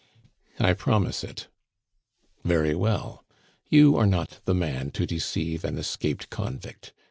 "I promise it." "Very well; you are not the man to deceive an escaped convict.